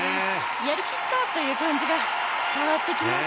やり切ったという感じが伝わってきます。